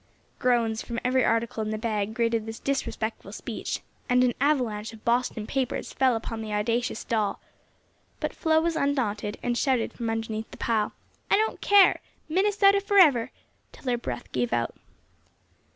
Groans from every article in the bag greeted this disrespectful speech, and an avalanche of Boston papers fell upon the audacious doll. But Flo was undaunted, and shouted from underneath the pile: "I don't care! Minnesota forever!" till her breath gave out.